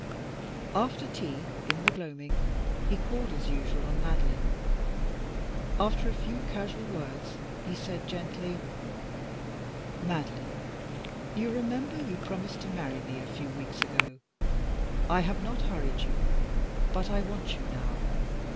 After tea, in the gloaming, he called, as usual, on Madeline. After a few casual words, he said, gently "Madeline, you remember you promised to marry me a few weeks ago. I have not hurried you, but I want you now.